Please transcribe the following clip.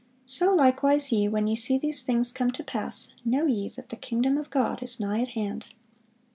So likewise ye, when ye see these things come to pass, know ye that the kingdom of God is nigh at hand."